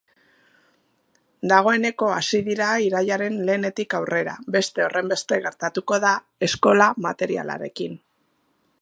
Dagoeneko hasi dira irailaren lehenetik aurrera, beste horrenbeste gertatuko da eskola materialarekin.